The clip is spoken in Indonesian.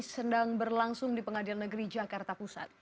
sedang berlangsung di pengadilan negeri jakarta pusat